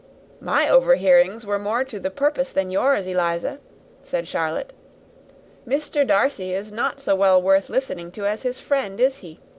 "My overhearings were more to the purpose than yours, Eliza," said Charlotte. "Mr. Darcy is not so well worth listening to as his friend, is he?